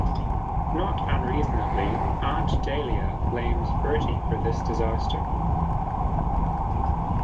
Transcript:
Not unreasonably, Aunt Dahlia blames Bertie for this disaster.